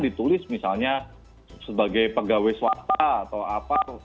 ditulis misalnya sebagai pegawai swasta atau apa